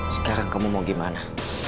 sekarang kamu mau gimana